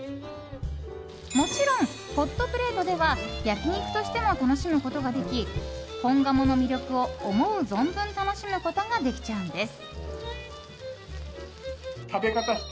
もちろんホットプレートでは焼き肉としても楽しむことができ本鴨の魅力を思う存分楽しむことができちゃうんです。